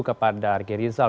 kepada rg rizal